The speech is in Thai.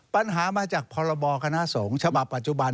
ปัญหามาจากพรบคณะสงฆ์ฉบับปัจจุบัน